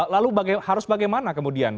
lalu harus bagaimana kemudian